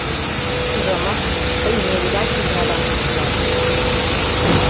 — Ужамат, тый неудачник радам гыч улат.